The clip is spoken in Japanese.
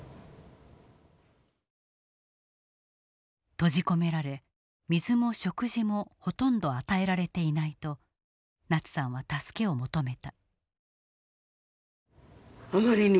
「閉じ込められ水も食事もほとんど与えられていない」とナツさんは助けを求めた。